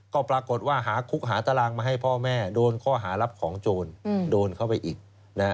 ก็ปรากฏว่าหาคุกหาตารางมาให้พ่อแม่โดนข้อหารับของโจรโดนเข้าไปอีก